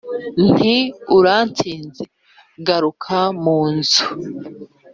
Nti : Urantsinze garuka mu nzu